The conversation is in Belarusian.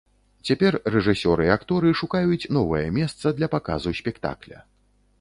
Цяпер рэжысёр і акторы шукаюць новае месца для паказу спектакля.